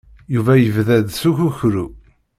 Yuba yebda-d s ukukru.